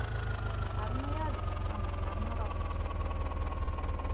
Арно јади, ама и арно работи.